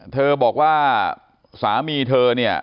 เธอบอกว่าสามีเธอ